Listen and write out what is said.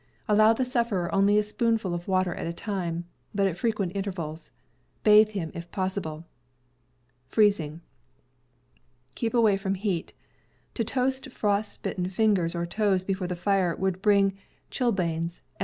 Allow the sufferer only a spoonful of water at a time, but at frequent inter vals. Bathe him, if possible. Keep away from heat. To toast frost bitten fingers or toes before the fire would bring chilblains, and _